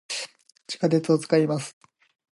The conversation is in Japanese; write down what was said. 地下鉄を、使います。